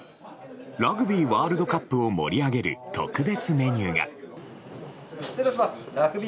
ラグビーワールドカップを盛り上げる特別メニューが。